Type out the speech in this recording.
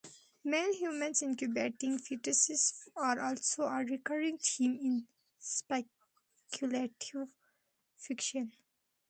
Male humans incubating fetuses are also a recurring theme in speculative fiction.